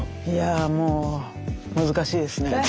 いやあもう難しいですね。